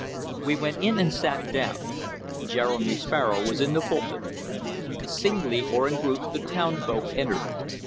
We went in and sat down. Jeremy Sparrow was in the pulpit. Singly or in groups the town folk entered.